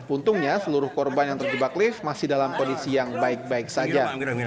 untungnya seluruh korban yang terjebak lift masih dalam kondisi yang baik baik saja